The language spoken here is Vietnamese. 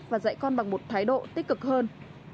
và dạy con bằng một thái độ tích cực hơn